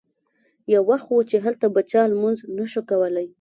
یو وخت و چې دلته به چا لمونځ نه شو کولی.